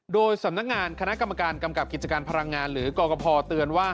โดยสำนักงานคณะกรรมการกำกับกิจการพลังงานหรือกรกภเตือนว่า